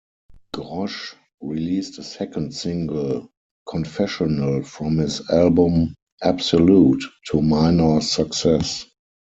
Grosch released a second single "Confessional" from his album "Absolute" to minor success.